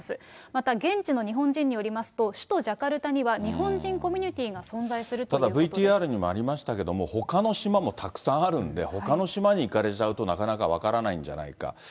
また現地の日本人によりますと、首都ジャカルタには日本人コミュニティーが存在するということでただＶＴＲにもありましたけど、ほかの島もたくさんあるんで、ほかの島に行かれちゃうとなかなか分からないんじゃないか。